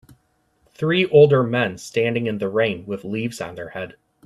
Three older men standing in the rain with leaves on their head.